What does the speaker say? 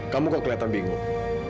kamu kok kelihatan bingung